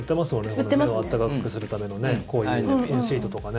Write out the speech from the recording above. この辺を温かくするためのこういうシートとかね。